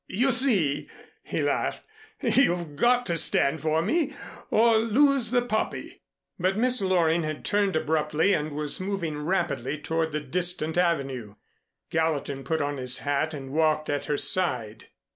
"You see," he laughed, "you've got to stand for me or lose the puppy." But Miss Loring had turned abruptly and was moving rapidly toward the distant Avenue. Gallatin put on his hat and walked at her side.